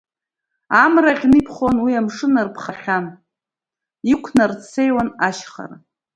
Амра аӷьны иԥхон, уи амшын арԥхахьан, иқәнарцеиуан ашьхара.